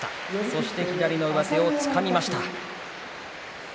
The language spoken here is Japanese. そして左の上手をつかみました。